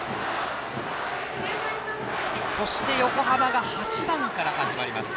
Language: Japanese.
そして横浜が８番から始まります。